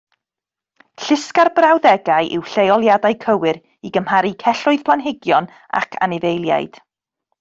Llusga'r brawddegau i'w lleoliadau cywir i gymharu celloedd planhigion ac anifeiliaid